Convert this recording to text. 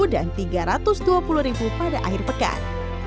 dan tiga ratus dua puluh ribu pada air pekan